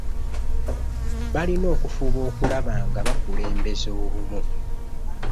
Balina okufuba okulaba ng bakulembeza obumu.